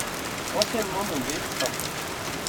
Anciennement nommée St.